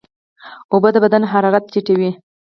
اوبه د بدن حرارت ټیټوي.